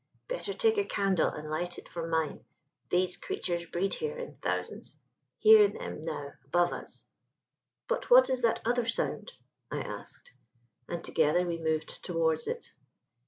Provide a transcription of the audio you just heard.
"Better take a candle and light it from mine. These creatures breed here in thousands hear them now above us!" "But what is that other sound?" I asked, and together we moved towards it.